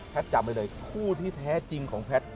จำไว้เลยคู่ที่แท้จริงของแพทย์